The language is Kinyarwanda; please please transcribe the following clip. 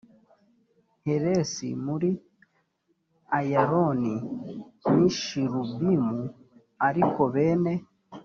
heresi muri ayaloni n i sh lubimu ariko bene